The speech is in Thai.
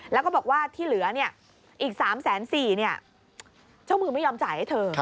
แล้วก็บอกว่าที่เหลืออีก๓๔๐๐เจ้ามือไม่ยอมจ่ายให้เธอ